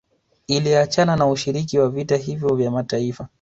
Iliachana na ushiriki wa vita hivyo vya mataifa